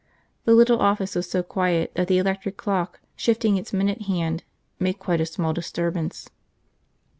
The little office was so quiet that the electric clock, shifting its minute hand, made quite a small disturbance.